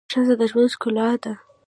ښځه د ژوند ښکلا ده